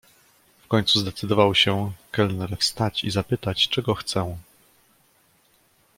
"W końcu zdecydował się kelner wstać i zapytać, czego chcę."